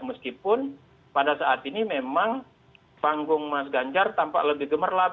meskipun pada saat ini memang panggung mas ganjar tampak lebih gemerlap